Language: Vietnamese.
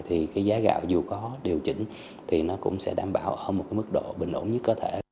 thì cái giá gạo dù có điều chỉnh thì nó cũng sẽ đảm bảo ở một cái mức độ bình ổn nhất có thể